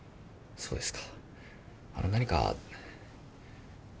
そうですか。